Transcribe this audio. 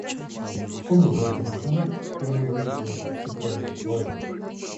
Вспомни — за этим окном впервые руки твои, исступленный, гладил.